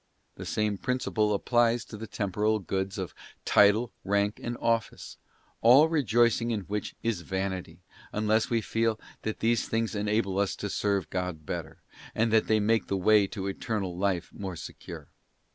The same principle applies to the temporal goods of title, rank, and office; all rejoicing in which is vanity, unless we feel that these things enable us to serve God better, and that they make the way to Eternal Life more secure.